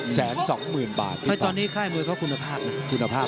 แสนสองหมื่นบาทแล้วตอนนี้ค่ายมวยเขาคุณภาพนะ